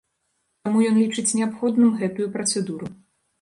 Таму ён лічыць неабходным гэтую працэдуру.